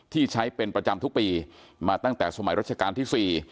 ที่ใช้เป็นประจำทุกปีมาตั้งแต่สมัยรัชกาลที่๔